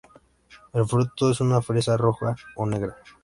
El fruto es una fresa roja o negra.